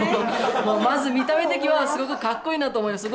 まず見た目的はすごく格好いいなと思います。